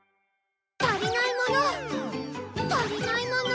足りないもの足りないもの。